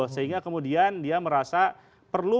sehingga kemudian dia merasa perlu